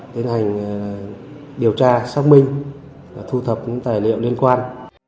tiến hành điều tra xác minh và thu thập những tài liệu liên quan